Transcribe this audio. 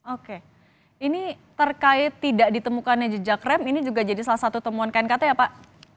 oke ini terkait tidak ditemukannya jejak rem ini juga jadi salah satu temuan knkt ya pak